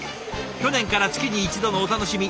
「去年から月に１度のお楽しみ